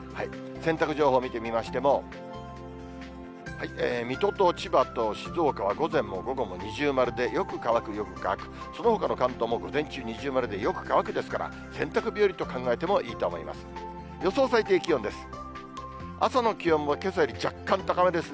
洗濯情報見てみましても、水戸と千葉と静岡は午前も午後も二重丸でよく乾く、よく乾く、そのほかの関東も午前中、二重丸で、よく乾くですから、洗濯日和と考えてもいいと思います。